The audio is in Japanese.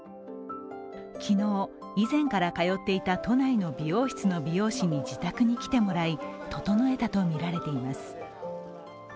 昨日、以前から通っていた都内の美容室の美容師に自宅に来てもらい整えたとみられています。